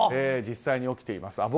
実際に起きています。